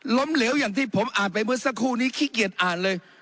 เหลวอย่างที่ผมอ่านไปเมื่อสักครู่นี้ขี้เกียจอ่านเลย